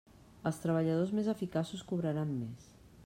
Els treballadors més eficaços cobraran més.